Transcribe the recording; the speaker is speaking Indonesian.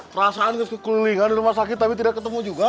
perasaan keseluruhan rumah sakit tapi tidak ketemu juga